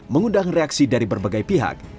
mengundang reaksi dari berbagai pihak